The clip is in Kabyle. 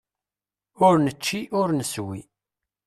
Ur nečči ur neswi.